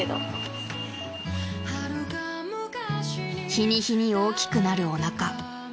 ［日に日に大きくなるおなか］